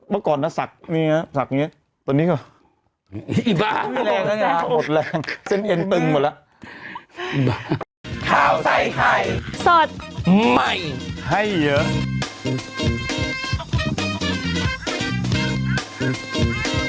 โปรดติดตามตอนต่อไป